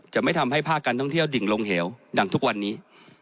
จะไม่ทำให้ภาคการท่องเที่ยวดิ่งลงเหวดังทุกวันนี้